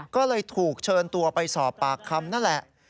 ก็เลยถูกเชิญตัวไปสอบปากคำนั่นแหละ